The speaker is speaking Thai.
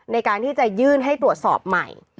ในการที่จะยื่นให้ตรวจสอบใหม่